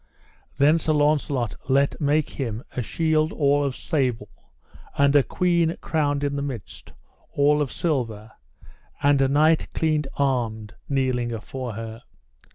Then Sir Launcelot let make him a shield all of sable, and a queen crowned in the midst, all of silver, and a knight clean armed kneeling afore her.